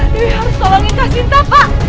dewi harus tolongin kasinta pak